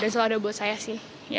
dan semua orang udah bantu saya sih